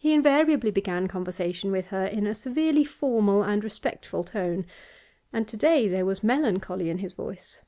He invariably began conversation with her in a severely formal and respectful tone, and to day there was melancholy in his voice.